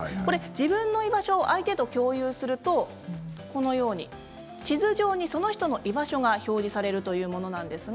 自分の居場所を相手と共有すると地図上にその人の居場所が表示されるというものです。